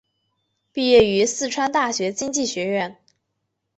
毕业于四川大学经济学院。